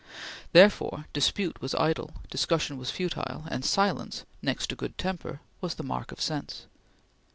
Therefore, dispute was idle, discussion was futile, and silence, next to good temper, was the mark of sense.